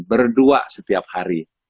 berdua setiap hari